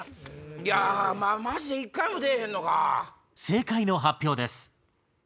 正解の発表です。